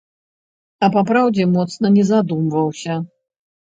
А папраўдзе, моцна не задумваўся.